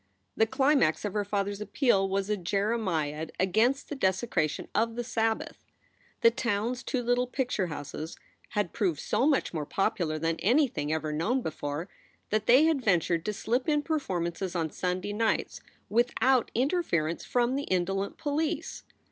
The climax of her father s appeal was a jeremiad against the desecration of the Sabbath. The town s two little picture houses had proved so much more popular than anything ever known before, that they had ventured to slip in performances on Sunday nights without interference from the indolent police.